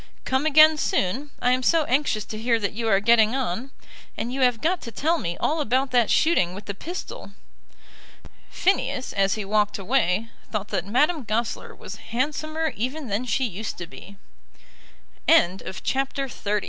Come again soon. I am so anxious to hear that you are getting on. And you have got to tell me all about that shooting with the pistol." Phineas as he walked away thought that Madame Goesler was handsomer even than she used to be. CHAPTER XXXI. THE DUKE AND DUCHESS IN TO